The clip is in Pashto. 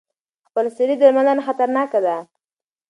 خپلسري درملنه خطرناکه ده.